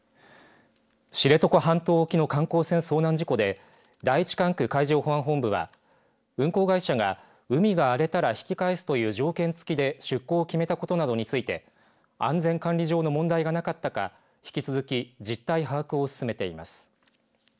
知床半島沖の観光船遭難事故で第１管区海上保安本部は運航会社が海が荒れたら引き返すという条件つきで出航を決めたことなどについて安全管理上の問題がなかったか引き続き実態把握を進めています。